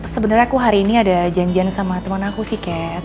sebenernya aku hari ini ada janjian sama temen aku sih kat